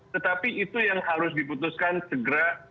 tetapi itu yang harus diputuskan segera